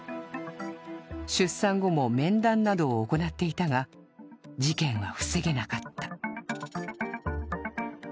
出産後も面談などを行っていたが事件は防げなかった。